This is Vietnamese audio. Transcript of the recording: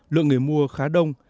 lượng người mua khá đông